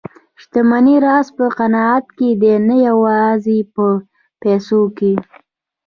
د شتمنۍ راز په قناعت کې دی، نه یوازې په پیسو کې.